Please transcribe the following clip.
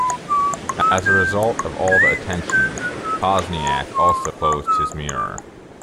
As a result of all the attention, Pozniak also closed his mirror.